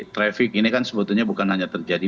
traffic ini kan sebetulnya bukan hanya terjadi